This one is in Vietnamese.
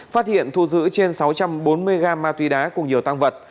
phát hiện thu giữ trên sáu trăm bốn mươi g ma túy đá cùng nhiều tăng vật